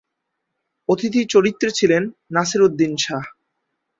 অতিথি চরিত্রে ছিলেন নাসিরুদ্দিন শাহ্।